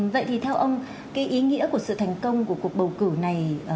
vậy thì theo ông cái ý nghĩa của sự thành công của cuộc bầu cử này